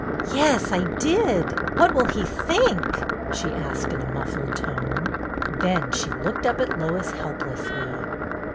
"Yes, I did! What will he think?" she asked in a muffled tone. Then she looked up at Lois helplessly.